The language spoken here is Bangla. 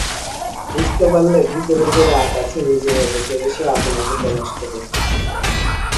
বুঝতে পারলে, ভিতরে যে রাগ আছে নিজের অগোচরে সে আপনাকে প্রকাশ করে।